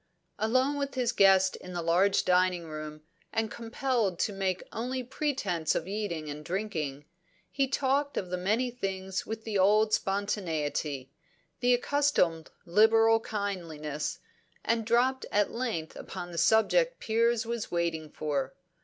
Alone with his guest in the large dining room, and compelled to make only pretence of eating and drinking, he talked of many things with the old spontaneity, the accustomed liberal kindliness, and dropped at length upon the subject Piers was waiting for.